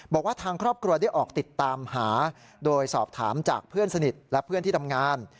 บอกว่าทางครอบครัวได้ออกติดตามหาโดยสอบถามจากเพื่อนสนิทและเพื่อนที่ทำงาน